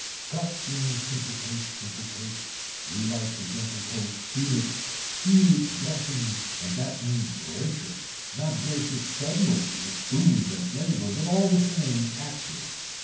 Cut in simple cake simple cake, relike a gentle coat, seal it, seal it blessing and that means gracious not gracious suddenly with spoons and flavor but all the same active.